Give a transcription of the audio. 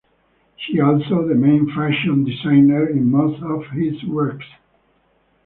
She also the main fashion designer in most of his works.